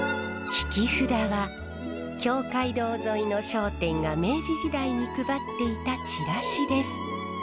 引き札は京街道沿いの商店が明治時代に配っていたチラシです。